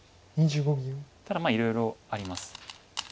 ただいろいろあります。